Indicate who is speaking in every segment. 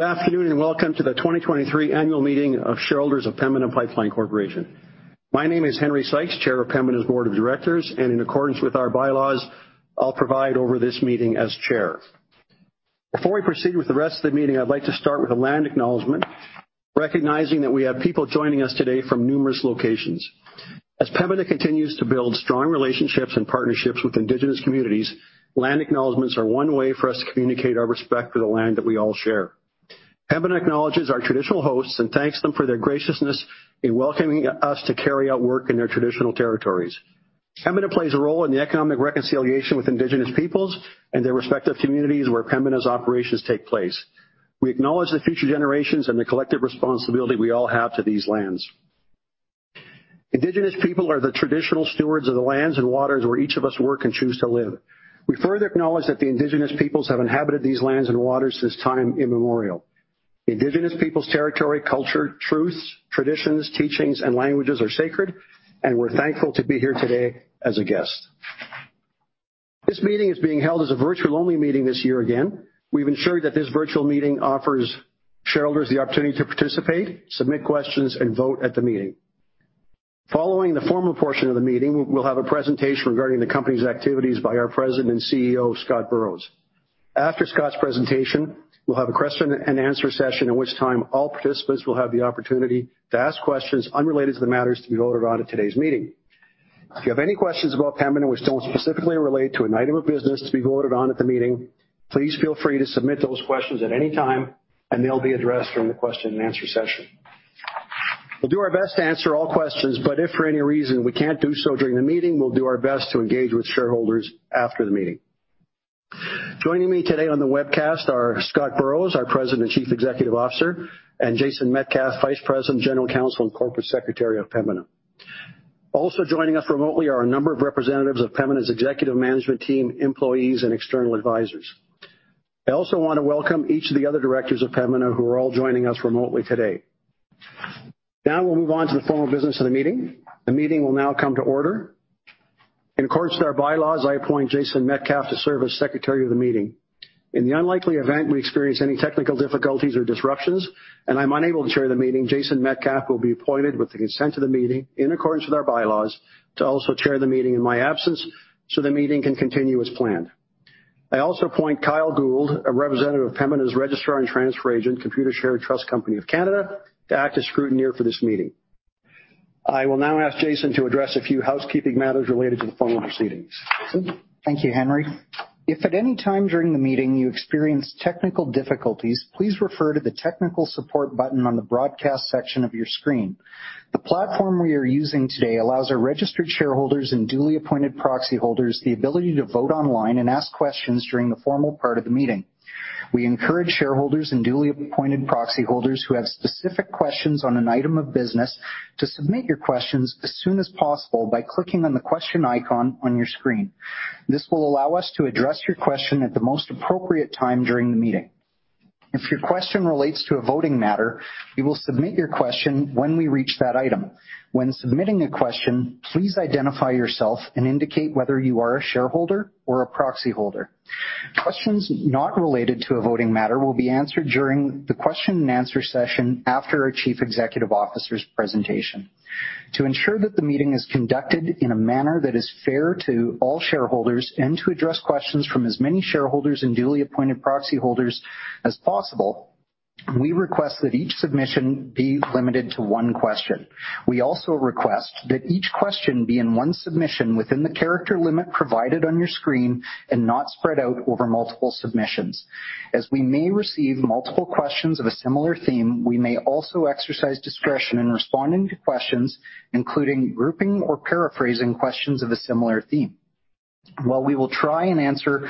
Speaker 1: Good afternoon. Welcome to the 2023 annual meeting of shareholders of Pembina Pipeline Corporation. My name is Henry Sykes, Chair of Pembina's Board of Directors, in accordance with our bylaws, I'll provide over this meeting as chair. Before we proceed with the rest of the meeting, I'd like to start with a land acknowledgement, recognizing that we have people joining us today from numerous locations. As Pembina continues to build strong relationships and partnerships with indigenous communities, land acknowledgments are one way for us to communicate our respect for the land that we all share. Pembina acknowledges our traditional hosts and thanks them for their graciousness in welcoming us to carry out work in their traditional territories. Pembina plays a role in the economic reconciliation with indigenous peoples and their respective communities where Pembina's operations take place. We acknowledge the future generations and the collective responsibility we all have to these lands. Indigenous people are the traditional stewards of the lands and waters where each of us work and choose to live. We further acknowledge that the Indigenous peoples have inhabited these lands and waters since time immemorial. Indigenous peoples' territory, culture, truths, traditions, teachings, and languages are sacred, and we're thankful to be here today as a guest. This meeting is being held as a virtual-only meeting this year again. We've ensured that this virtual meeting offers shareholders the opportunity to participate, submit questions, and vote at the meeting. Following the formal portion of the meeting, we'll have a presentation regarding the company's activities by our President and CEO, Scott Burrows. After Scott's presentation, we'll have a question and answer session in which time all participants will have the opportunity to ask questions unrelated to the matters to be voted on at today's meeting. If you have any questions about Pembina which don't specifically relate to an item of business to be voted on at the meeting, please feel free to submit those questions at any time, and they'll be addressed during the question and answer session. We'll do our best to answer all questions, but if for any reason we can't do so during the meeting, we'll do our best to engage with shareholders after the meeting. Joining me today on the webcast are Scott Burrows, our President and Chief Executive Officer, and Jason Metcalf, Vice President, General Counsel, and Corporate Secretary of Pembina. Joining us remotely are a number of representatives of Pembina's executive management team, employees, and external advisors. I also wanna welcome each of the other directors of Pembina who are all joining us remotely today. We'll move on to the formal business of the meeting. The meeting will now come to order. In accordance to our bylaws, I appoint Jason Metcalf to serve as secretary of the meeting. In the unlikely event we experience any technical difficulties or disruptions and I'm unable to chair the meeting, Jason Metcalf will be appointed with the consent of the meeting in accordance with our bylaws to also chair the meeting in my absence so the meeting can continue as planned. I also appoint Kyle Gould, a representative of Pembina's registrar and transfer agent, Computershare Trust Company of Canada, to act as scrutineer for this meeting. I will now ask Jason to address a few housekeeping matters related to the formal proceedings. Jason?
Speaker 2: Thank you, Henry. If at any time during the meeting you experience technical difficulties, please refer to the technical support button on the broadcast section of your screen. The platform we are using today allows our registered shareholders and duly appointed proxy holders the ability to vote online and ask questions during the formal part of the meeting. We encourage shareholders and duly appointed proxy holders who have specific questions on an item of business to submit your questions as soon as possible by clicking on the question icon on your screen. This will allow us to address your question at the most appropriate time during the meeting. If your question relates to a voting matter, you will submit your question when we reach that item. When submitting a question, please identify yourself and indicate whether you are a shareholder or a proxy holder. Questions not related to a voting matter will be answered during the question and answer session after our Chief Executive Officer's presentation. To ensure that the meeting is conducted in a manner that is fair to all shareholders and to address questions from as many shareholders and duly appointed proxy holders as possible, we request that each submission be limited to one question. We also request that each question be in one submission within the character limit provided on your screen and not spread out over multiple submissions. As we may receive multiple questions of a similar theme, we may also exercise discretion in responding to questions, including grouping or paraphrasing questions of a similar theme. While we will try and answer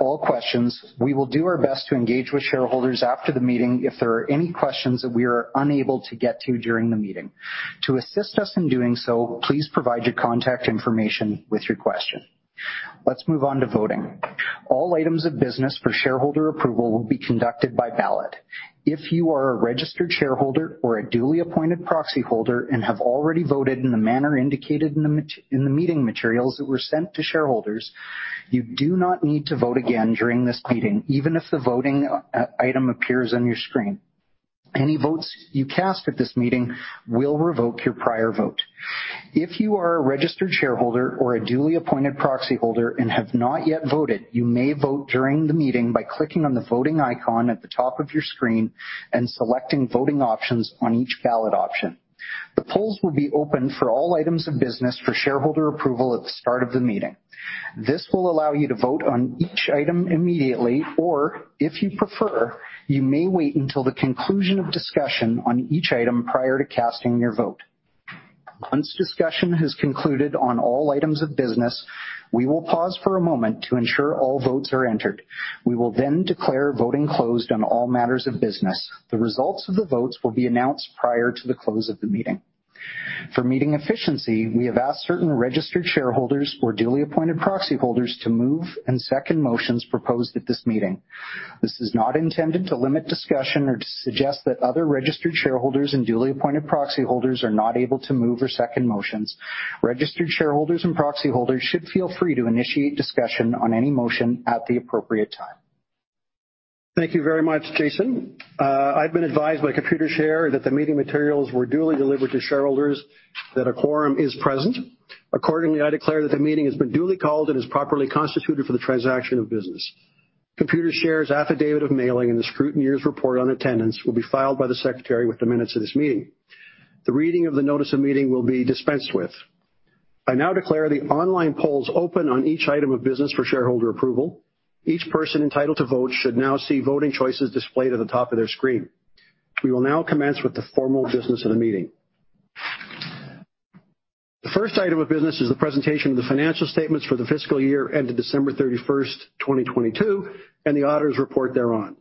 Speaker 2: all questions, we will do our best to engage with shareholders after the meeting if there are any questions that we are unable to get to during the meeting. To assist us in doing so, please provide your contact information with your question. Let's move on to voting. All items of business for shareholder approval will be conducted by ballot. If you are a registered shareholder or a duly appointed proxy holder and have already voted in the meeting materials that were sent to shareholders, you do not need to vote again during this meeting, even if the voting item appears on your screen. Any votes you cast at this meeting will revoke your prior vote. If you are a registered shareholder or a duly appointed proxy holder and have not yet voted, you may vote during the meeting by clicking on the voting icon at the top of your screen and selecting voting options on each ballot option. The polls will be open for all items of business for shareholder approval at the start of the meeting. This will allow you to vote on each item immediately, or if you prefer, you may wait until the conclusion of discussion on each item prior to casting your vote. Once discussion has concluded on all items of business, we will pause for a moment to ensure all votes are entered. We will then declare voting closed on all matters of business. The results of the votes will be announced prior to the close of the meeting. For meeting efficiency, we have asked certain registered shareholders or duly appointed proxy holders to move and second motions proposed at this meeting. This is not intended to limit discussion or to suggest that other registered shareholders and duly appointed proxy holders are not able to move or second motions. Registered shareholders and proxy holders should feel free to initiate discussion on any motion at the appropriate time.
Speaker 1: Thank you very much, Jason. I've been advised by Computershare that the meeting materials were duly delivered to shareholders, that a quorum is present. Accordingly, I declare that the meeting has been duly called and is properly constituted for the transaction of business. Computershare's Affidavit of Mailing and the Scrutineer's Report on Attendance will be filed by the Secretary with the minutes of this meeting. The reading of the notice of meeting will be dispensed with. I now declare the online polls open on each item of business for shareholder approval. Each person entitled to vote should now see voting choices displayed at the top of their screen. We will now commence with the formal business of the meeting. The first item of business is the presentation of the financial statements for the fiscal year ended December 31st, 2022, and the auditor's report thereon.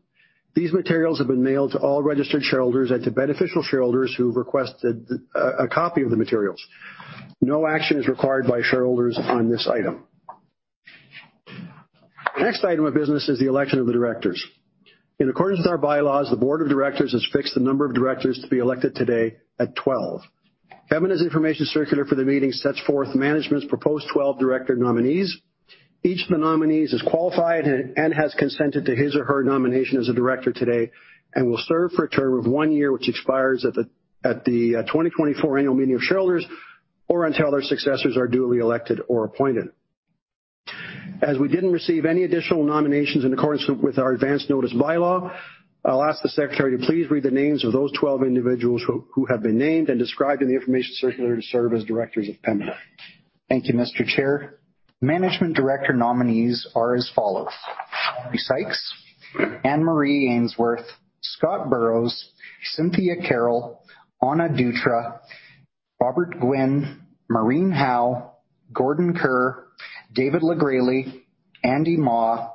Speaker 1: These materials have been mailed to all registered shareholders and to beneficial shareholders who requested a copy of the materials. No action is required by shareholders on this item. The next item of business is the election of the directors. In accordance with our bylaws, the board of directors has fixed the number of directors to be elected today at 12. Pembina's information circular for the meeting sets forth management's proposed 12 director nominees. Each of the nominees is qualified and has consented to his or her nomination as a director today and will serve for a term of one year, which expires at the 2024 annual meeting of shareholders or until their successors are duly elected or appointed. As we didn't receive any additional nominations in accordance with our advance notice bylaw, I'll ask the Secretary to please read the names of those 12 individuals who have been named and described in the information circular to serve as directors of Pembina.
Speaker 2: Thank you, Mr. Chair. Management director nominees are as follows: Henry Sykes, Anne-Marie Ainsworth, Scott Burrows, Cynthia Carroll, Ana Dutra, Robert Gwin, Maureen Howe, Gordon Kerr, David LeGresley, Andy Mah,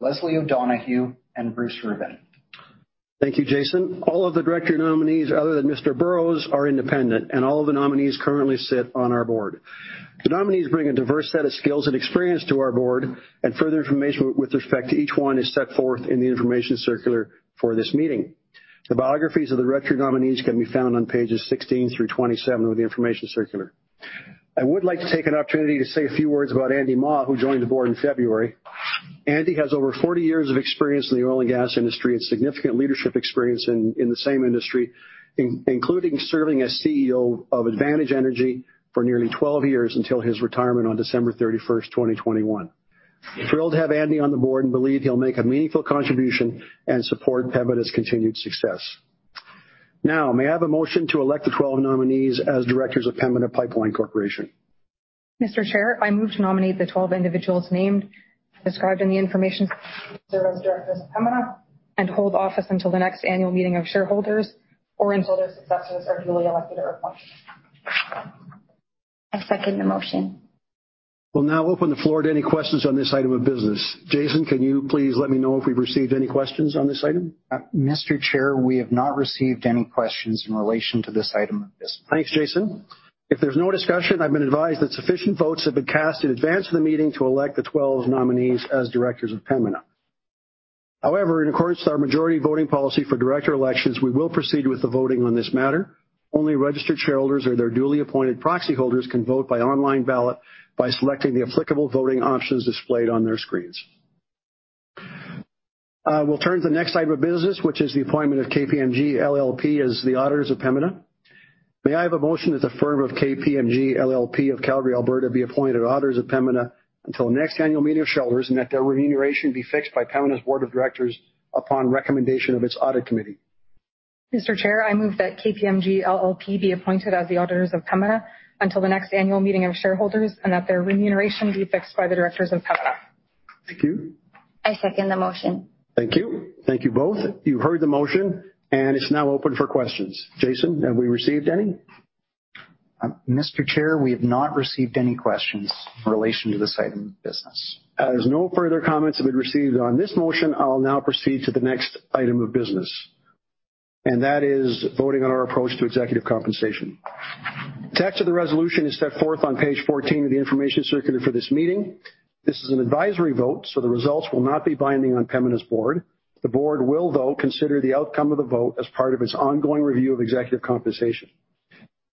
Speaker 2: Leslie O'Donoghue, and Bruce Rubin.
Speaker 1: Thank you, Jason. All of the director nominees other than Mr. Burrows are independent, and all of the nominees currently sit on our board. The nominees bring a diverse set of skills and experience to our board, and further information with respect to each one is set forth in the information circular for this meeting. The biographies of the director nominees can be found on pages 16 through 27 of the information circular. I would like to take an opportunity to say a few words about Andy Mah, who joined the board in February. Andy has over 40 years of experience in the oil and gas industry and significant leadership experience in the same industry, including serving as CEO of Advantage Energy for nearly 12 years until his retirement on December 31st, 2021. Thrilled to have Andy on the board and believe he'll make a meaningful contribution and support Pembina's continued success. Now, may I have a motion to elect the 12 nominees as directors of Pembina Pipeline Corporation?
Speaker 3: Mr. Chair, I move to nominate the 12 individuals named described in the information to serve as directors of Pembina and hold office until the next annual meeting of shareholders or until their successors are duly elected or appointed.
Speaker 4: I second the motion.
Speaker 1: We'll now open the floor to any questions on this item of business. Jason, can you please let me know if we've received any questions on this item?
Speaker 2: Mr. Chair, we have not received any questions in relation to this item of business.
Speaker 1: Thanks, Jason. If there's no discussion, I've been advised that sufficient votes have been cast in advance of the meeting to elect the 12 nominees as directors of Pembina. In accordance to our majority voting policy for director elections, we will proceed with the voting on this matter. Only registered shareholders or their duly appointed proxy holders can vote by online ballot by selecting the applicable voting options displayed on their screens. We'll turn to the next item of business, which is the appointment of KPMG LLP as the auditors of Pembina. May I have a motion that the firm of KPMG LLP of Calgary, Alberta, be appointed auditors of Pembina until the next annual meeting of shareholders and that their remuneration be fixed by Pembina's board of directors upon recommendation of its audit committee?
Speaker 3: Mr. Chair, I move that KPMG LLP be appointed as the auditors of Pembina until the next annual meeting of shareholders, and that their remuneration be fixed by the directors of Pembina.
Speaker 1: Thank you.
Speaker 4: I second the motion.
Speaker 1: Thank you. Thank you both. You heard the motion, it's now open for questions. Jason, have we received any?
Speaker 2: Mr. Chair, we have not received any questions in relation to this item of business.
Speaker 1: As no further comments have been received on this motion, I'll now proceed to the next item of business, and that is voting on our approach to executive compensation. The text of the resolution is set forth on page 14 of the information circular for this meeting. This is an advisory vote, so the results will not be binding on Pembina's board. The board will, though, consider the outcome of the vote as part of its ongoing review of executive compensation.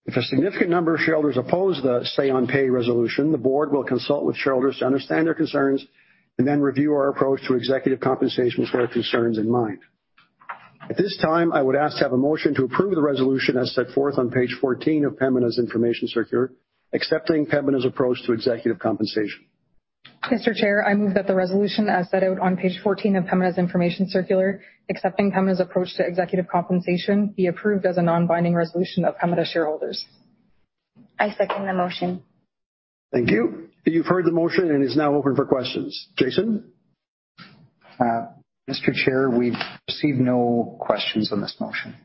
Speaker 1: If a significant number of shareholders oppose the say on pay resolution, the board will consult with shareholders to understand their concerns and then review our approach to executive compensation with their concerns in mind. At this time, I would ask to have a motion to approve the resolution as set forth on page 14 of Pembina's information circular, accepting Pembina's approach to executive compensation.
Speaker 3: Mr. Chair, I move that the resolution as set out on page 14 of Pembina's information circular, accepting Pembina's approach to executive compensation, be approved as a non-binding resolution of Pembina's shareholders.
Speaker 4: I second the motion.
Speaker 1: Thank you. You've heard the motion, and it's now open for questions. Jason?
Speaker 2: Mr. Chair, we've received no questions on this motion.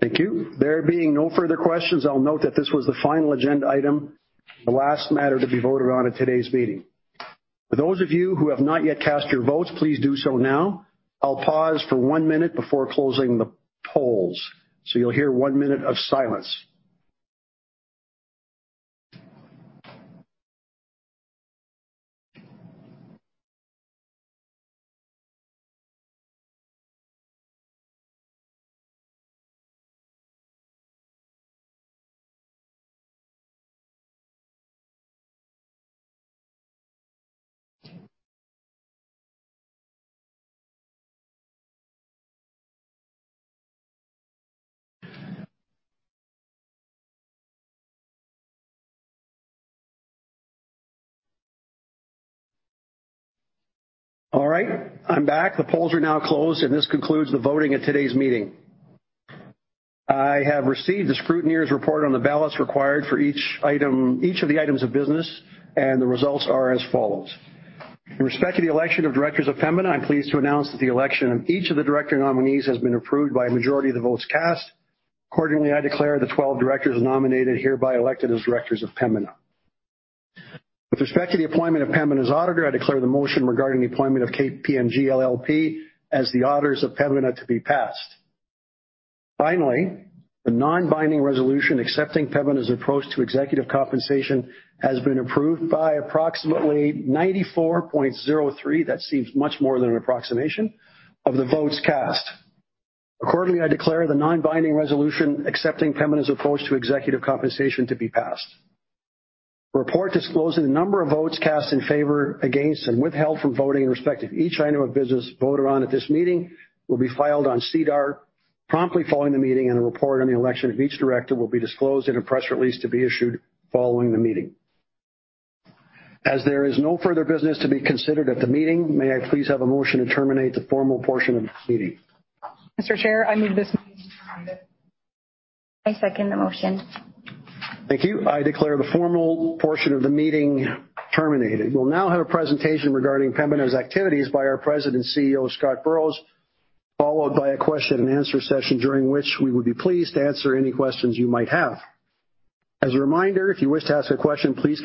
Speaker 1: Thank you. There being no further questions, I'll note that this was the final agenda item, the last matter to be voted on at today's meeting. For those of you who have not yet cast your votes, please do so now. I'll pause for one minute before closing the polls, so you'll hear one minute of silence. All right, I'm back. The polls are now closed, and this concludes the voting at today's meeting. I have received the scrutineer's report on the ballots required for each item, each of the items of business, and the results are as follows. In respect to the election of directors of Pembina, I'm pleased to announce that the election of each of the director nominees has been approved by a majority of the votes cast. Accordingly, I declare the 12 directors nominated hereby elected as directors of Pembina. With respect to the appointment of Pembina's auditor, I declare the motion regarding the appointment of KPMG LLP as the auditors of Pembina to be passed. Finally, the non-binding resolution accepting Pembina's approach to executive compensation has been approved by approximately 94.03%, that seems much more than an approximation, of the votes cast. Accordingly, I declare the non-binding resolution accepting Pembina's approach to executive compensation to be passed. Report disclosing the number of votes cast in favor, against, and withheld from voting in respect of each item of business voted on at this meeting will be filed on SEDAR promptly following the meeting, and a report on the election of each director will be disclosed in a press release to be issued following the meeting. As there is no further business to be considered at the meeting, may I please have a motion to terminate the formal portion of this meeting.
Speaker 3: Mr. Chair, I move this meeting be terminated.
Speaker 4: I second the motion.
Speaker 1: Thank you. I declare the formal portion of the meeting terminated. We'll now have a presentation regarding Pembina's activities by our President and CEO, Scott Burrows, followed by a question and answer session, during which we would be pleased to answer any questions you might have. As a reminder, if you wish to ask a question, please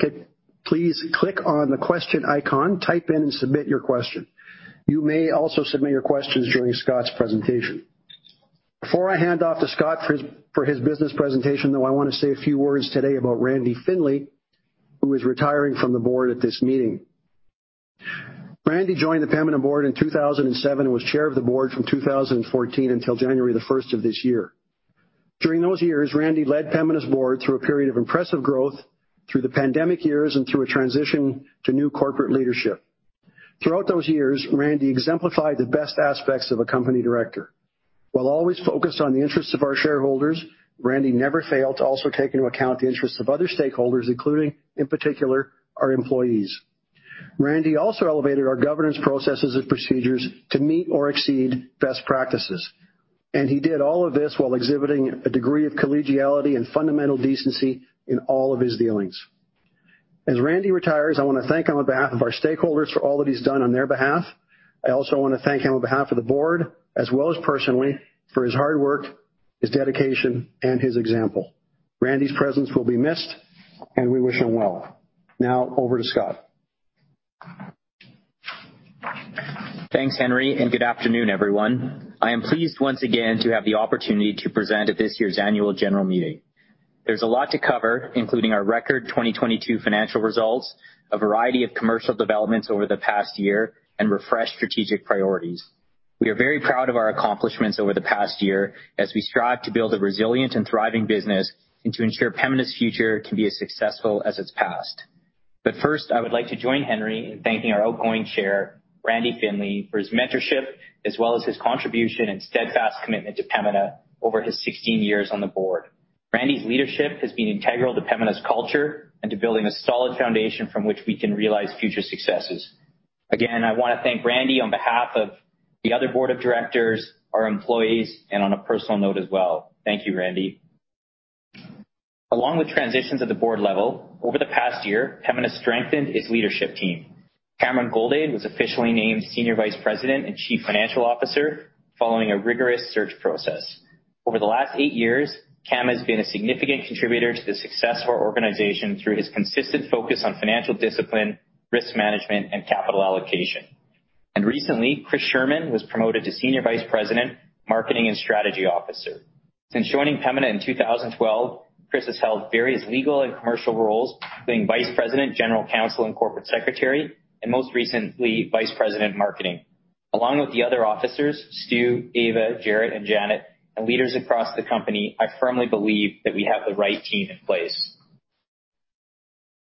Speaker 1: click on the question icon, type in and submit your question. You may also submit your questions during Scott's presentation. Before I hand off to Scott for his business presentation, though, I wanna say a few words today about Randy Findlay, who is retiring from the board at this meeting. Randy joined the Pembina board in 2007 and was Chair of the Board from 2014 until January 1st of this year. During those years, Randy led Pembina's board through a period of impressive growth, through the pandemic years, and through a transition to new corporate leadership. Throughout those years, Randy exemplified the best aspects of a company director. While always focused on the interests of our shareholders, Randy never failed to also take into account the interests of other stakeholders, including, in particular, our employees. He did all of this while exhibiting a degree of collegiality and fundamental decency in all of his dealings. As Randy retires, I wanna thank him on behalf of our stakeholders for all that he's done on their behalf. I also wanna thank him on behalf of the board, as well as personally, for his hard work, his dedication, and his example. Randy's presence will be missed, and we wish him well. Now over to Scott.
Speaker 5: Thanks, Henry, and good afternoon, everyone. I am pleased once again to have the opportunity to present at this year's annual general meeting. There's a lot to cover, including our record 2022 financial results, a variety of commercial developments over the past year, and refreshed strategic priorities. We are very proud of our accomplishments over the past year as we strive to build a resilient and thriving business and to ensure Pembina's future can be as successful as its past. But first, I would like to join Henry in thanking our outgoing chair, Randy Findlay, for his mentorship as well as his contribution and steadfast commitment to Pembina over his 16 years on the board. Randy's leadership has been integral to Pembina's culture and to building a solid foundation from which we can realize future successes. Again, I wanna thank Randy on behalf of the other board of directors, our employees, and on a personal note as well. Thank you, Randy. Along with transitions at the board level, over the past year, Pembina has strengthened its leadership team. Cameron Goldade was officially named Senior Vice President and Chief Financial Officer following a rigorous search process. Over the last eight years, Cam has been a significant contributor to the success of our organization through his consistent focus on financial discipline, risk management, and capital allocation. Recently, Chris Scherman was promoted to Senior Vice President, Marketing and Strategy Officer. Since joining Pembina in 2012, Chris has held various legal and commercial roles, being Vice President, General Counsel, and Corporate Secretary, and most recently, Vice President, Marketing. Along with the other officers, Stu, Eva, Jaret, and Janet, and leaders across the company, I firmly believe that we have the right team in place.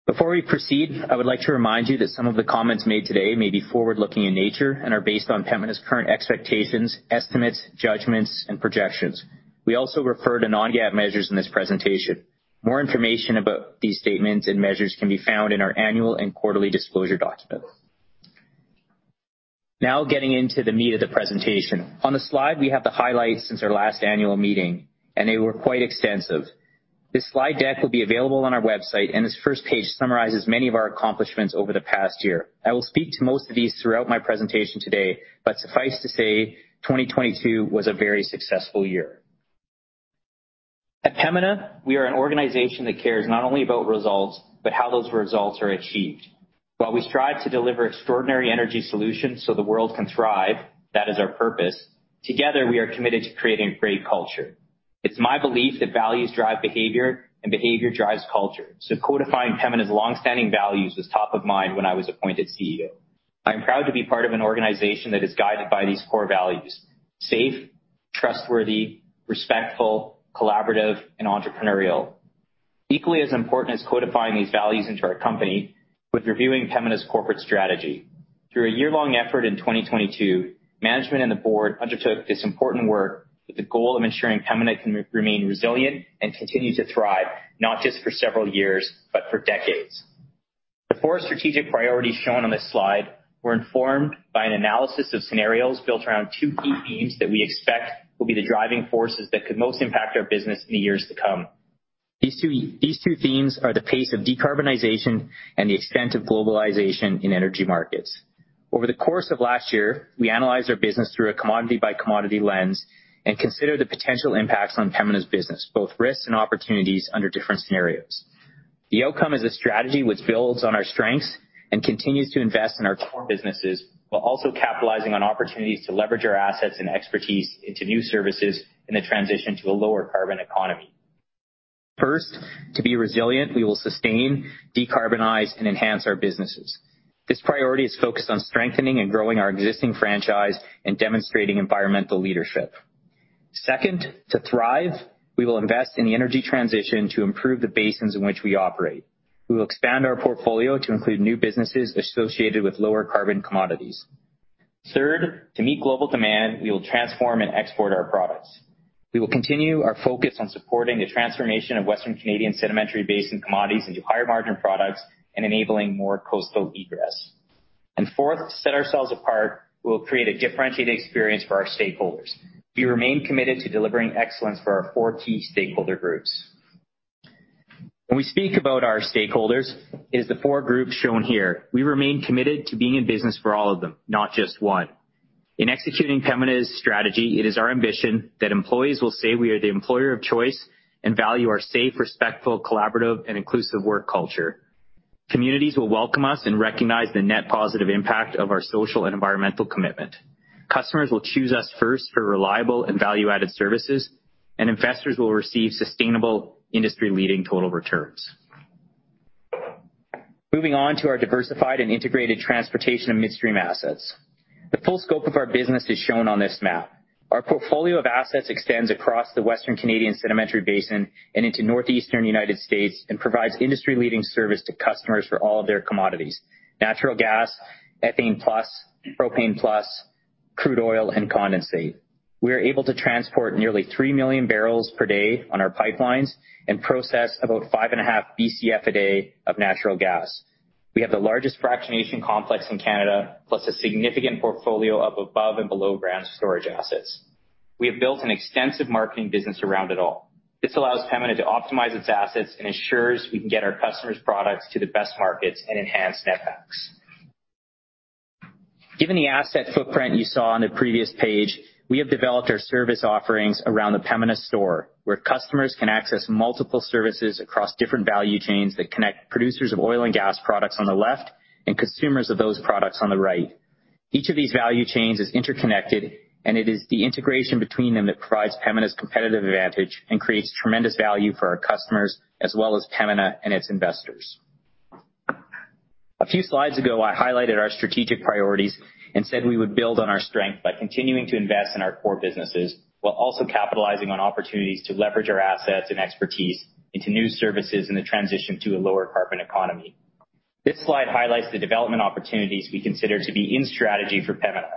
Speaker 5: Before we proceed, I would like to remind you that some of the comments made today may be forward-looking in nature and are based on Pembina's current expectations, estimates, judgments, and projections. We also refer to non-GAAP measures in this presentation. More information about these statements and measures can be found in our annual and quarterly disclosure documents. Now getting into the meat of the presentation. On the slide, we have the highlights since our last annual meeting, and they were quite extensive. This slide deck will be available on our website, and this first page summarizes many of our accomplishments over the past year. I will speak to most of these throughout my presentation today, suffice to say, 2022 was a very successful year. At Pembina, we are an organization that cares not only about results, how those results are achieved. While we strive to deliver extraordinary energy solutions the world can thrive, that is our purpose. Together, we are committed to creating a great culture. It's my belief that values drive behavior and behavior drives culture, codifying Pembina's long-standing values was top of mind when I was appointed CEO. I am proud to be part of an organization that is guided by these core values: safe, trustworthy, respectful, collaborative, and entrepreneurial. Equally as important as codifying these values into our company was reviewing Pembina's corporate strategy. Through a year-long effort in 2022, management and the board undertook this important work with the goal of ensuring Pembina can remain resilient and continue to thrive, not just for several years, but for decades. The four strategic priorities shown on this slide were informed by an analysis of scenarios built around two key themes that we expect will be the driving forces that could most impact our business in the years to come. These two themes are the pace of decarbonization and the extent of globalization in energy markets. Over the course of last year, we analyzed our business through a commodity-by-commodity lens and considered the potential impacts on Pembina's business, both risks and opportunities under different scenarios. The outcome is a strategy which builds on our strengths and continues to invest in our core businesses, while also capitalizing on opportunities to leverage our assets and expertise into new services in the transition to a lower carbon economy. First, to be resilient, we will sustain, decarbonize, and enhance our businesses. This priority is focused on strengthening and growing our existing franchise and demonstrating environmental leadership. Second, to thrive, we will invest in the energy transition to improve the basins in which we operate. We will expand our portfolio to include new businesses associated with lower carbon commodities. Third, to meet global demand, we will transform and export our products. We will continue our focus on supporting the transformation of Western Canadian Sedimentary Basin commodities into higher margin products and enabling more coastal egress. Fourth, to set ourselves apart, we will create a differentiated experience for our stakeholders. We remain committed to delivering excellence for our four key stakeholder groups. When we speak about our stakeholders, it is the four groups shown here. We remain committed to being in business for all of them, not just one. In executing Pembina's strategy, it is our ambition that employees will say we are the employer of choice and value our safe, respectful, collaborative, and inclusive work culture. Communities will welcome us and recognize the net positive impact of our social and environmental commitment. Customers will choose us first for reliable and value-added services. Investors will receive sustainable industry-leading total returns. Moving on to our diversified and integrated transportation and midstream assets. The full scope of our business is shown on this map. Our portfolio of assets extends across the Western Canadian Sedimentary Basin and into northeastern United States and provides industry-leading service to customers for all of their commodities, natural gas, ethane plus, propane plus, crude oil, and condensate. We are able to transport nearly 3 million barrels per day on our pipelines and process about 5.5 Bcf a day of natural gas. We have the largest fractionation complex in Canada, plus a significant portfolio of above and below-ground storage assets. We have built an extensive marketing business around it all. This allows Pembina to optimize its assets and ensures we can get our customers' products to the best markets and enhance net backs. Given the asset footprint you saw on the previous page, we have developed our service offerings around the Pembina Store, where customers can access multiple services across different value chains that connect producers of oil and gas products on the left and consumers of those products on the right. Each of these value chains is interconnected, and it is the integration between them that provides Pembina's competitive advantage and creates tremendous value for our customers, as well as Pembina and its investors. A few slides ago, I highlighted our strategic priorities and said we would build on our strength by continuing to invest in our core businesses while also capitalizing on opportunities to leverage our assets and expertise into new services in the transition to a lower carbon economy. This slide highlights the development opportunities we consider to be in strategy for Pembina.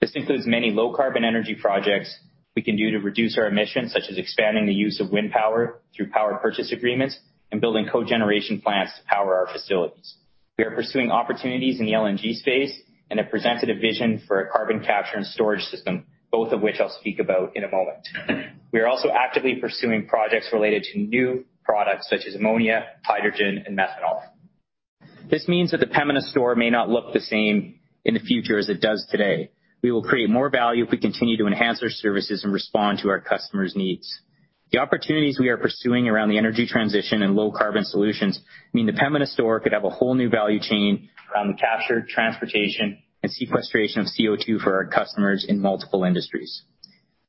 Speaker 5: This includes many low-carbon energy projects we can do to reduce our emissions, such as expanding the use of wind power through power purchase agreements and building cogeneration plants to power our facilities. We are pursuing opportunities in the LNG space and have presented a vision for a carbon capture and storage system, both of which I'll speak about in a moment. We are also actively pursuing projects related to new products such as ammonia, hydrogen, and methanol. This means that the Pembina Store may not look the same in the future as it does today. We will create more value if we continue to enhance our services and respond to our customers' needs. The opportunities we are pursuing around the energy transition and low-carbon solutions mean the Pembina Store could have a whole new value chain around the capture, transportation, and sequestration of CO2 for our customers in multiple industries.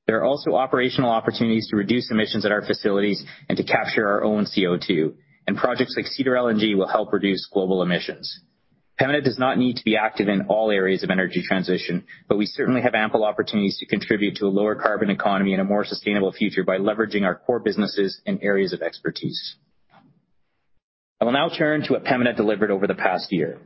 Speaker 5: There are also operational opportunities to reduce emissions at our facilities and to capture our own CO2. Projects like Cedar LNG will help reduce global emissions. Pembina does not need to be active in all areas of energy transition, we certainly have ample opportunities to contribute to a lower carbon economy and a more sustainable future by leveraging our core businesses and areas of expertise. I will now turn to what Pembina delivered over the past year.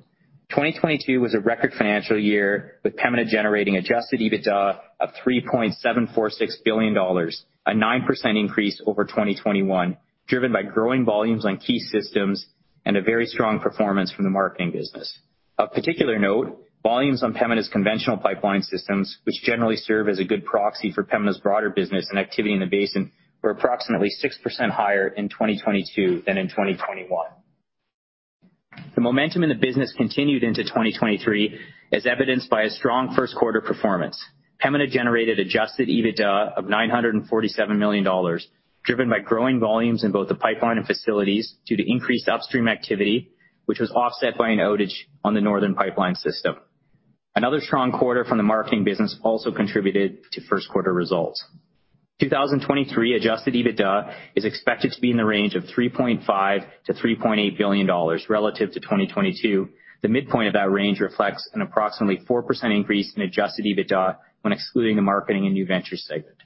Speaker 5: 2022 was a record financial year, with Pembina generating Adjusted EBITDA of 3.746 billion dollars, a 9% increase over 2021, driven by growing volumes on key systems and a very strong performance from the marketing business. Of particular note, volumes on Pembina's conventional pipeline systems, which generally serve as a good proxy for Pembina's broader business and activity in the basin, were approximately 6% higher in 2022 than in 2021. The momentum in the business continued into 2023, as evidenced by a strong first quarter performance. Pembina generated Adjusted EBITDA of 947 million dollars, driven by growing volumes in both the pipeline and facilities due to increased upstream activity, which was offset by an outage on the northern pipeline system. Another strong quarter from the marketing business also contributed to first quarter results. 2023 Adjusted EBITDA is expected to be in the range of 3.5 billion-3.8 billion dollars relative to 2022. The midpoint of that range reflects an approximately 4% increase in Adjusted EBITDA when excluding the marketing and new venture segment.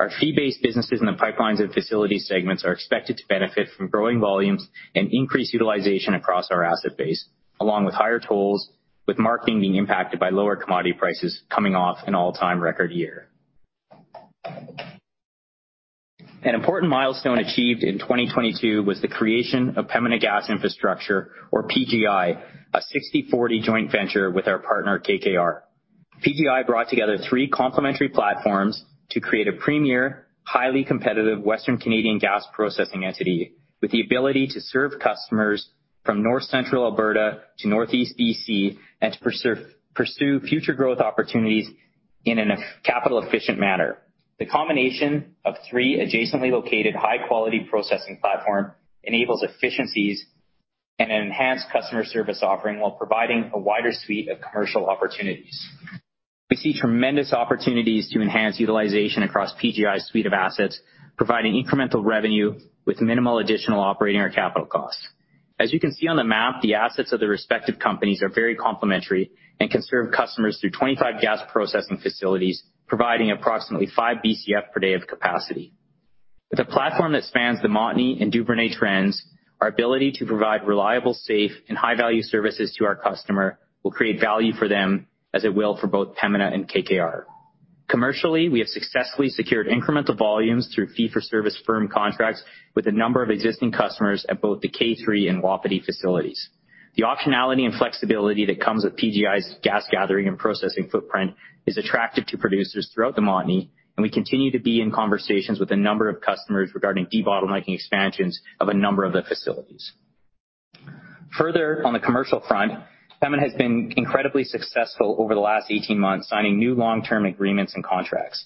Speaker 5: Our fee-based businesses in the pipelines and facilities segments are expected to benefit from growing volumes and increased utilization across our asset base, along with higher tolls, with marketing being impacted by lower commodity prices coming off an all-time record year. An important milestone achieved in 2022 was the creation of Pembina Gas Infrastructure, or PGI, a 60/40 joint venture with our partner KKR. PGI brought together three complementary platforms to create a premier, highly competitive Western Canadian gas processing entity with the ability to serve customers from north-central Alberta to Northeast BC and to pursue future growth opportunities in a capital efficient manner. The combination of three adjacently located high-quality processing platform enables efficiencies and an enhanced customer service offering while providing a wider suite of commercial opportunities. We see tremendous opportunities to enhance utilization across PGI suite of assets, providing incremental revenue with minimal additional operating or capital costs. As you can see on the map, the assets of the respective companies are very complementary and can serve customers through 25 gas processing facilities, providing approximately 5 Bcf per day of capacity. With a platform that spans the Montney and Duvernay trends, our ability to provide reliable, safe, and high-value services to our customer will create value for them as it will for both Pembina and KKR. Commercially, we have successfully secured incremental volumes through fee for service firm contracts with a number of existing customers at both the K3 and Wapiti facilities. The optionality and flexibility that comes with PGI's gas gathering and processing footprint is attractive to producers throughout the Montney. We continue to be in conversations with a number of customers regarding debottlenecking expansions of a number of the facilities. Further, on the commercial front, Pembina has been incredibly successful over the last 18 months, signing new long-term agreements and contracts.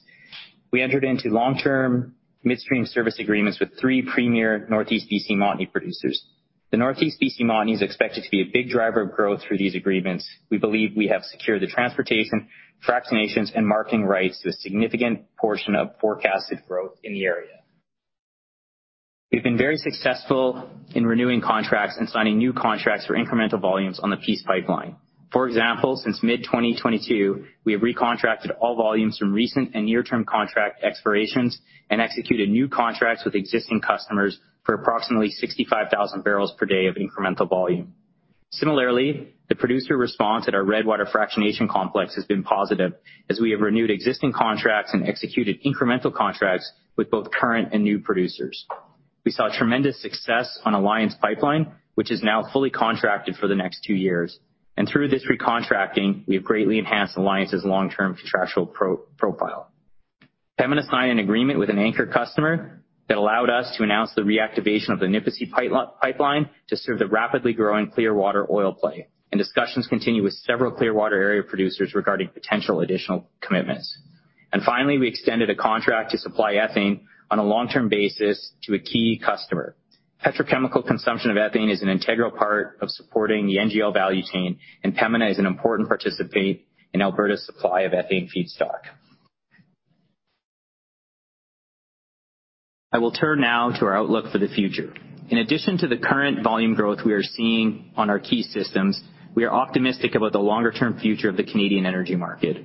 Speaker 5: We entered into long-term midstream service agreements with three premier Northeast BC Montney producers. The Northeast BC Montney is expected to be a big driver of growth through these agreements. We believe we have secured the transportation, fractionations, and marketing rights to a significant portion of forecasted growth in the area. We've been very successful in renewing contracts and signing new contracts for incremental volumes on the Peace Pipeline. For example, since mid-2022, we have recontracted all volumes from recent and near-term contract expirations and executed new contracts with existing customers for approximately 65,000 barrels per day of incremental volume. Similarly, the producer response at our Redwater Fractionation Complex has been positive as we have renewed existing contracts and executed incremental contracts with both current and new producers. We saw tremendous success on Alliance Pipeline, which is now fully contracted for the next two years. Through this recontracting, we have greatly enhanced Alliance's long-term contractual pro-profile. Pembina signed an agreement with an anchor customer that allowed us to announce the reactivation of the Nipisi pipeline to serve the rapidly growing Clearwater oil play. Discussions continue with several Clearwater area producers regarding potential additional commitments. Finally, we extended a contract to supply ethane on a long-term basis to a key customer. Petrochemical consumption of ethane is an integral part of supporting the NGL value chain, and Pembina is an important participant in Alberta's supply of ethane feedstock. I will turn now to our outlook for the future. In addition to the current volume growth we are seeing on our key systems, we are optimistic about the longer-term future of the Canadian energy market.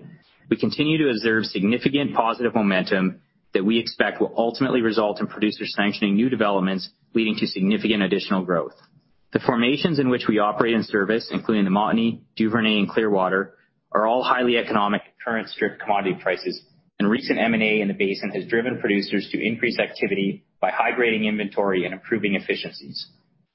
Speaker 5: We continue to observe significant positive momentum that we expect will ultimately result in producers sanctioning new developments, leading to significant additional growth. The formations in which we operate in service, including the Montney, Duvernay, and Clearwater, are all highly economic at current strip commodity prices, and recent M&A in the basin has driven producers to increase activity by high-grading inventory and improving efficiencies.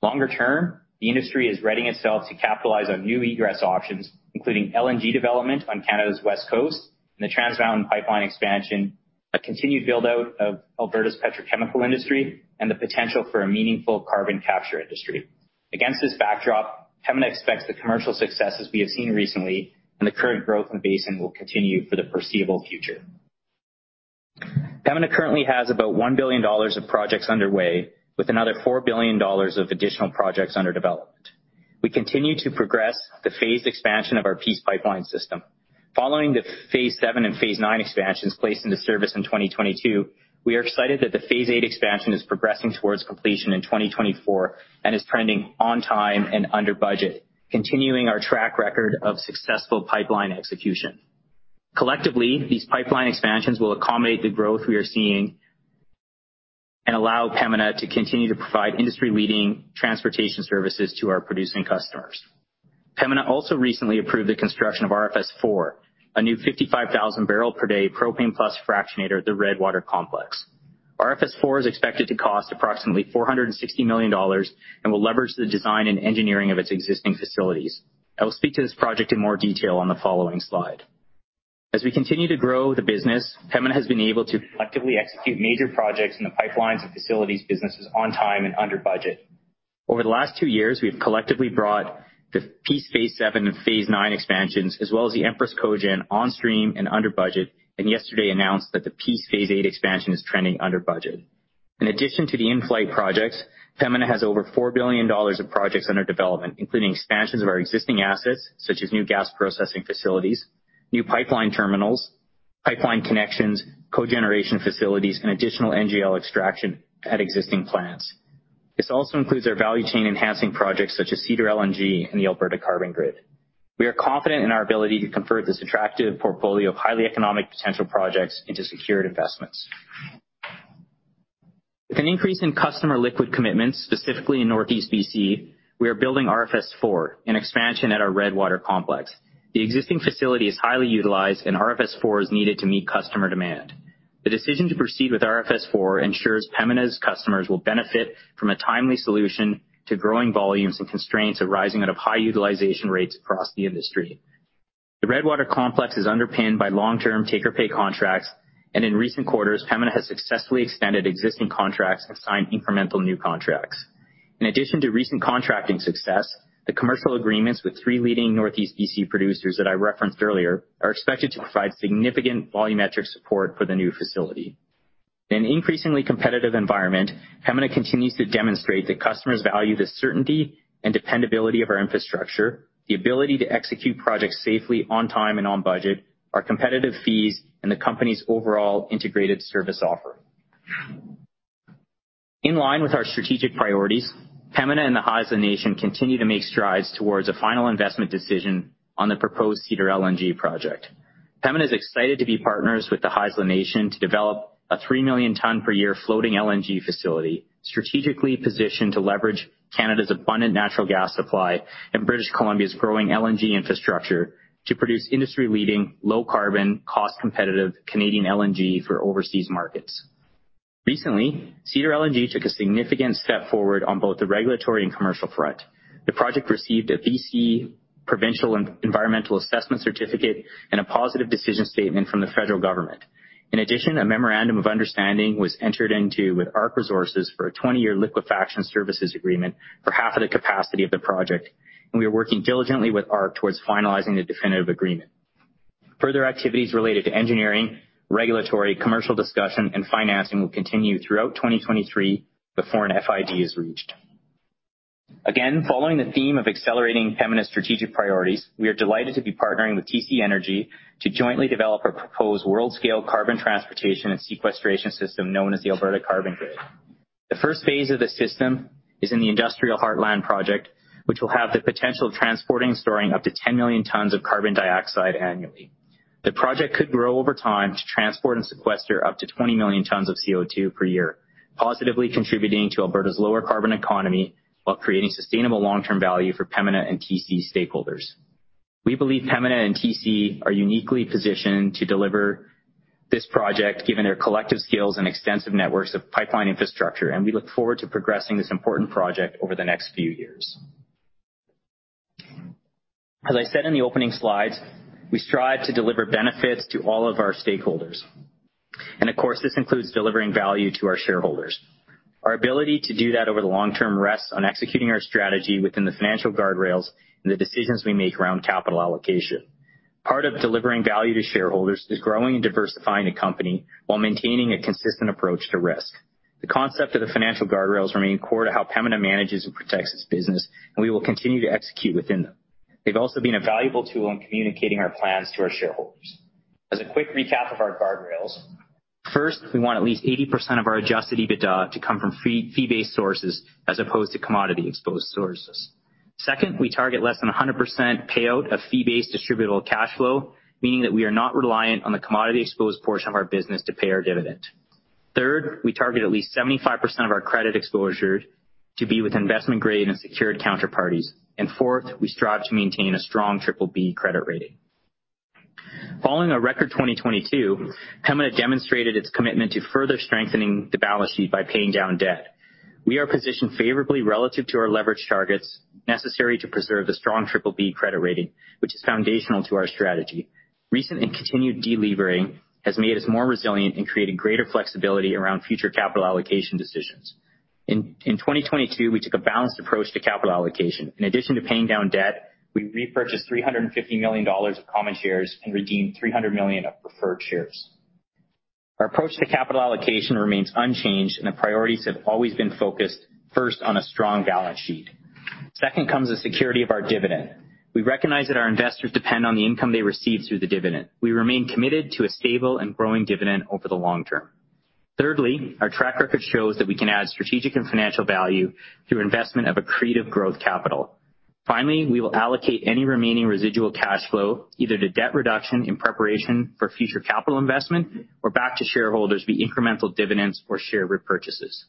Speaker 5: Longer term, the industry is readying itself to capitalize on new egress options, including LNG development on Canada's west coast and the Trans Mountain pipeline expansion, a continued build-out of Alberta's petrochemical industry, and the potential for a meaningful carbon capture industry. Against this backdrop, Pembina expects the commercial successes we have seen recently and the current growth in the basin will continue for the foreseeable future. Pembina currently has about 1 billion dollars of projects underway with another 4 billion dollars of additional projects under development. We continue to progress the phased expansion of our Peace Pipeline system. Following the phase seven and phase nine expansions placed into service in 2022, we are excited that the phase eight expansion is progressing towards completion in 2024 and is trending on time and under budget, continuing our track record of successful pipeline execution. Collectively, these pipeline expansions will accommodate the growth we are seeing and allow Pembina to continue to provide industry-leading transportation services to our producing customers. Pembina also recently approved the construction of RFS IV, a new 55,000 barrel per day propane plus fractionator at the Redwater Complex. RFS IV is expected to cost approximately $460 million and will leverage the design and engineering of its existing facilities. I will speak to this project in more detail on the following slide. As we continue to grow the business, Pembina has been able to collectively execute major projects in the pipelines and facilities businesses on time and under budget. Over the last two years, we've collectively brought the Peace phase seven and phase nine expansions, as well as the Empress Cogen on stream and under budget. Yesterday announced that the Peace phase eight expansion is trending under budget. In addition to the in-flight projects, Pembina has over 4 billion dollars of projects under development, including expansions of our existing assets, such as new gas processing facilities, new pipeline terminals, pipeline connections, cogeneration facilities, and additional NGL extraction at existing plants. This also includes our value chain enhancing projects such as Cedar LNG and the Alberta Carbon Grid. We are confident in our ability to convert this attractive portfolio of highly economic potential projects into secured investments. With an increase in customer liquid commitments, specifically in Northeast BC, we are building RFS IV, an expansion at our Redwater Complex. The existing facility is highly utilized and RFS IV is needed to meet customer demand. The decision to proceed with RFS IV ensures Pembina's customers will benefit from a timely solution to growing volumes and constraints arising out of high utilization rates across the industry. The Redwater Complex is underpinned by long-term take-or-pay contracts, and in recent quarters, Pembina has successfully extended existing contracts and signed incremental new contracts. In addition to recent contracting success, the commercial agreements with three leading Northeast BC producers that I referenced earlier, are expected to provide significant volumetric support for the new facility. In an increasingly competitive environment, Pembina continues to demonstrate that customers value the certainty and dependability of our infrastructure, the ability to execute projects safely on time and on budget, our competitive fees, and the company's overall integrated service offer. In line with our strategic priorities, Pembina and the Haisla Nation continue to make strides towards a final investment decision on the proposed Cedar LNG project. Pembina is excited to be partners with the Haisla Nation to develop a 3 million ton per year floating LNG facility, strategically positioned to leverage Canada's abundant natural gas supply and British Columbia's growing LNG infrastructure to produce industry-leading, low carbon, cost-competitive Canadian LNG for overseas markets. Recently, Cedar LNG took a significant step forward on both the regulatory and commercial front. The project received a BC provincial environmental assessment certificate and a positive decision statement from the federal government. A memorandum of understanding was entered into with ARC Resources for a 20-year liquefaction services agreement for half of the capacity of the project, and we are working diligently with ARC towards finalizing the definitive agreement. Further activities related to engineering, regulatory, commercial discussion, and financing will continue throughout 2023 before an FID is reached. Following the theme of accelerating Pembina's strategic priorities, we are delighted to be partnering with TC Energy to jointly develop a proposed world-scale carbon transportation and sequestration system known as the Alberta Carbon Grid. The first phase of the system is in the Industrial Heartland project, which will have the potential of transporting and storing up to 10 million tons of carbon dioxide annually. The project could grow over time to transport and sequester up to 20 million tons of CO2 per year, positively contributing to Alberta's lower carbon economy while creating sustainable long-term value for Pembina and TC stakeholders. We believe Pembina and TC are uniquely positioned to deliver this project given their collective skills and extensive networks of pipeline infrastructure, and we look forward to progressing this important project over the next few years. As I said in the opening slides, we strive to deliver benefits to all of our stakeholders, and of course, this includes delivering value to our shareholders. Our ability to do that over the long term rests on executing our strategy within the financial guardrails and the decisions we make around capital allocation. Part of delivering value to shareholders is growing and diversifying the company while maintaining a consistent approach to risk. The concept of the financial guardrails remain core to how Pembina manages and protects its business, and we will continue to execute within them. They've also been a valuable tool in communicating our plans to our shareholders. As a quick recap of our guardrails, first, we want at least 80% of our Adjusted EBITDA to come from fee-based sources as opposed to commodity-exposed sources. Second, we target less than 100% payout of fee-based distributable cash flow, meaning that we are not reliant on the commodity-exposed portion of our business to pay our dividend. Third, we target at least 75% of our credit exposure to be with investment-grade and secured counterparties. Fourth, we strive to maintain a strong BBB credit rating. Following a record 2022, Pembina demonstrated its commitment to further strengthening the balance sheet by paying down debt. We are positioned favorably relative to our leverage targets necessary to preserve the strong BBB credit rating, which is foundational to our strategy. Recent and continued delevering has made us more resilient in creating greater flexibility around future capital allocation decisions. In 2022, we took a balanced approach to capital allocation. In addition to paying down debt, we repurchased 350 million dollars of common shares and redeemed 300 million of preferred shares. Our approach to capital allocation remains unchanged. The priorities have always been focused first on a strong balance sheet. Second comes the security of our dividend. We recognize that our investors depend on the income they receive through the dividend. We remain committed to a stable and growing dividend over the long term. Thirdly, our track record shows that we can add strategic and financial value through investment of accretive growth capital. We will allocate any remaining residual cash flow either to debt reduction in preparation for future capital investment or back to shareholders via incremental dividends or share repurchases.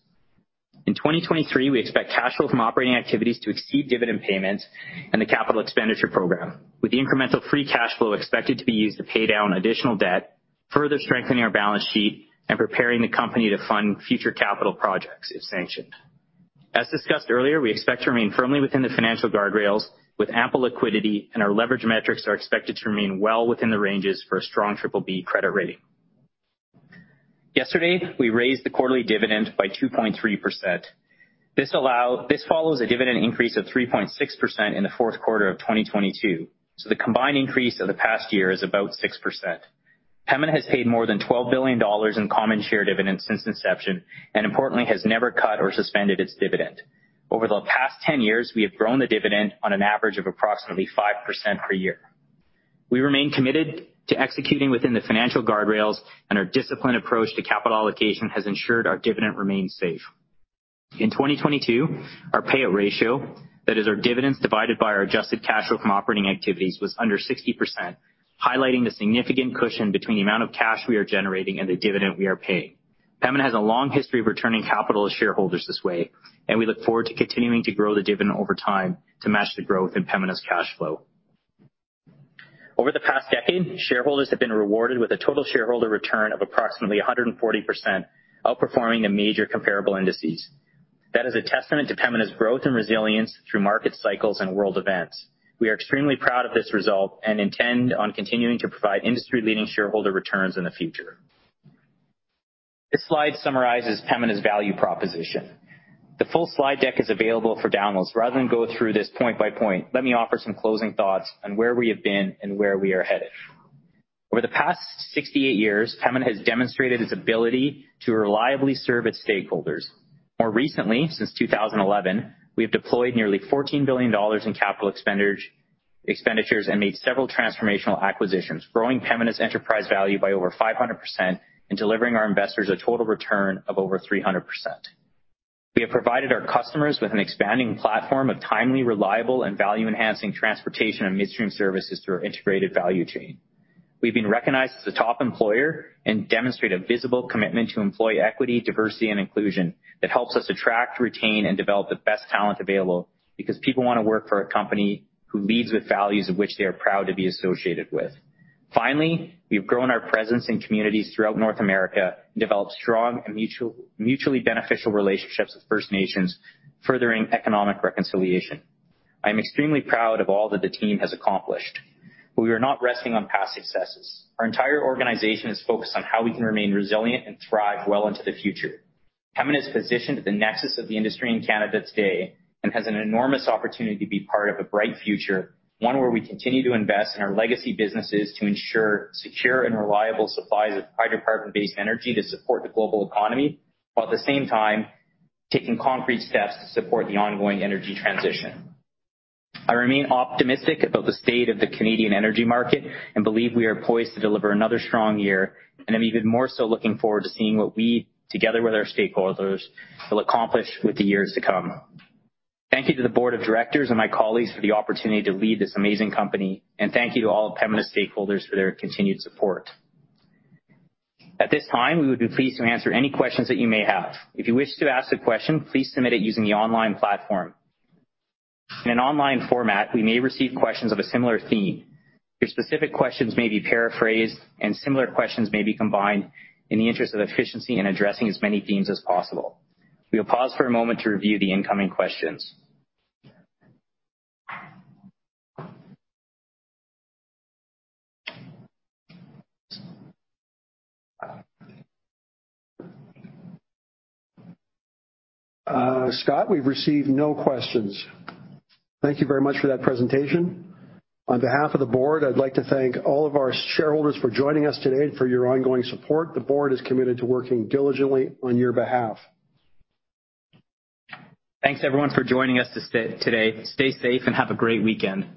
Speaker 5: In 2023, we expect cash flow from operating activities to exceed dividend payments and the capital expenditure program, with the incremental free cash flow expected to be used to pay down additional debt, further strengthening our balance sheet and preparing the company to fund future capital projects if sanctioned. As discussed earlier, we expect to remain firmly within the financial guardrails with ample liquidity and our leverage metrics are expected to remain well within the ranges for a strong BBB credit rating. Yesterday, we raised the quarterly dividend by 2.3%. This follows a dividend increase of 3.6% in the fourth quarter of 2022. The combined increase of the past year is about 6%. Pembina has paid more than $12 billion in common share dividends since inception. Importantly, has never cut or suspended its dividend. Over the past 10 years, we have grown the dividend on an average of approximately 5% per year. We remain committed to executing within the financial guardrails and our disciplined approach to capital allocation has ensured our dividend remains safe. In 2022, our payout ratio, that is our dividends divided by our adjusted cash flow from operating activities, was under 60%, highlighting the significant cushion between the amount of cash we are generating and the dividend we are paying. Pembina has a long history of returning capital to shareholders this way, and we look forward to continuing to grow the dividend over time to match the growth in Pembina's cash flow. Over the past decade, shareholders have been rewarded with a total shareholder return of approximately 140%, outperforming the major comparable indices. That is a testament to Pembina's growth and resilience through market cycles and world events. We are extremely proud of this result and intend on continuing to provide industry-leading shareholder returns in the future. This slide summarizes Pembina's value proposition. The full slide deck is available for download. Rather than go through this point by point, let me offer some closing thoughts on where we have been and where we are headed. Over the past 68 years, Pembina has demonstrated its ability to reliably serve its stakeholders. More recently, since 2011, we have deployed nearly 14 billion dollars in capital expenditures and made several transformational acquisitions, growing Pembina's enterprise value by over 500% and delivering our investors a total return of over 300%. We have provided our customers with an expanding platform of timely, reliable, and value-enhancing transportation and midstream services through our integrated value chain. We've been recognized as a top employer and demonstrate a visible commitment to employee equity, diversity, and inclusion that helps us attract, retain, and develop the best talent available because people wanna work for a company who leads with values of which they are proud to be associated with. Finally, we've grown our presence in communities throughout North America and developed strong and mutually beneficial relationships with First Nations, furthering economic reconciliation. I'm extremely proud of all that the team has accomplished. We are not resting on past successes. Our entire organization is focused on how we can remain resilient and thrive well into the future. Pembina is positioned at the nexus of the industry in Canada today and has an enormous opportunity to be part of a bright future, one where we continue to invest in our legacy businesses to ensure secure and reliable supplies of hydrocarbon-based energy to support the global economy, while at the same time, taking concrete steps to support the ongoing energy transition. I remain optimistic about the state of the Canadian energy market and believe we are poised to deliver another strong year, and I'm even more so looking forward to seeing what we, together with our stakeholders, will accomplish with the years to come. Thank you to the board of directors and my colleagues for the opportunity to lead this amazing company. Thank you to all of Pembina's stakeholders for their continued support. At this time, we would be pleased to answer any questions that you may have. If you wish to ask a question, please submit it using the online platform. In an online format, we may receive questions of a similar theme. Your specific questions may be paraphrased and similar questions may be combined in the interest of efficiency in addressing as many themes as possible. We will pause for a moment to review the incoming questions.
Speaker 1: Scott, we've received no questions. Thank you very much for that presentation. On behalf of the Board, I'd like to thank all of our shareholders for joining us today and for your ongoing support. The Board is committed to working diligently on your behalf.
Speaker 5: Thanks, everyone, for joining us today. Stay safe and have a great weekend.